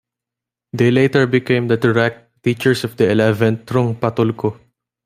They later became the direct teachers of the eleventh Trungpa tulku.